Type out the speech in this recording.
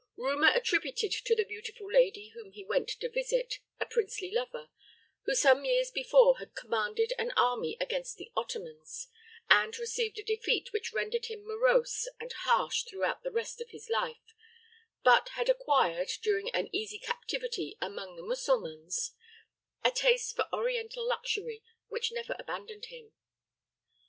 Rumor attributed to the beautiful lady whom he went to visit, a princely lover, who some years before had commanded an army against the Ottomans, had received a defeat which rendered him morose and harsh throughout the rest of life, but had acquired, during an easy captivity among the Mussulmans, a taste for Oriental luxury, which never abandoned him.